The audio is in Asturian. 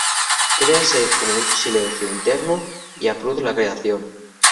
Créase como un silenciu internu y apruz la creación.